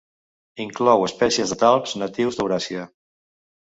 Inclou espècies de talps natius d'Euràsia.